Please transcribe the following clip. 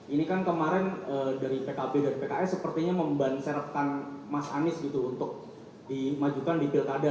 ini kan kemarin dari pkb dan pks sepertinya membancerkan mas anies gitu untuk dimajukan di pilkada